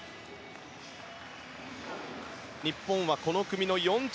日本は、この組の４着。